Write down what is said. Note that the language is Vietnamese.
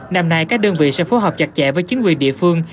năm nay các đơn vị sẽ phối hợp chặt chẽ với chính quyền địa phương